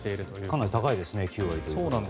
かなり高いですね。